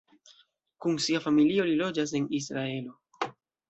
Kun sia familio li loĝas en Israelo.